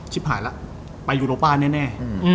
ชิบหายละไปยุโรปาแน่